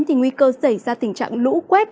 thì nguy cơ xảy ra tình trạng lũ quét